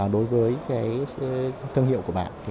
đối với thương hiệu của bạn